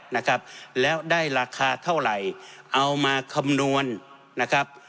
นะครับแล้วได้ราคาเท่าไหร่เอามาคำนวณนะครับ